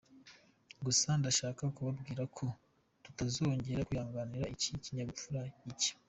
Gusa ndashaka kubabwira ko tutazongera kwihanganira iki kinyabupfura gicye.